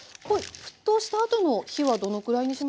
沸騰したあとの火はどのくらいにしましょうか。